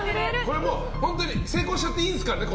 成功しちゃっていいんですからね。